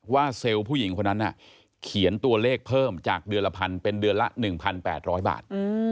เซลล์ผู้หญิงคนนั้นเขียนตัวเลขเพิ่มจากเดือนละพันเป็นเดือนละ๑๘๐๐บาท